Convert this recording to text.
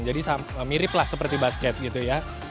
jadi mirip lah seperti basket gitu ya